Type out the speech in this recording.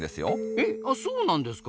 えそうなんですか？